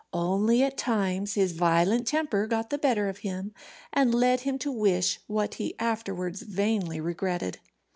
Only at times his violent temper got the better of him, and led him to wish what he afterwards vainly regretted.